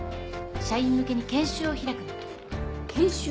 社員向けに研修を開くの。研修？